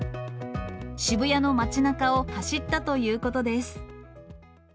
渋谷の街なかを走ったということです。